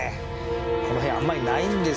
この辺あんまりないんですよ。